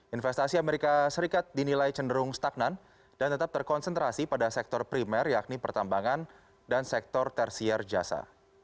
investasi amerika serikat dinilai cenderung stagnan dan tetap terkonsentrasi pada sektor primer yakni pertambangan dan sektor tersier jasa